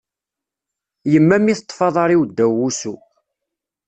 Yemma mi teṭṭef aḍar-iw ddaw wusu.